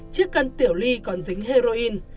cân tiểu ly còn dính heroin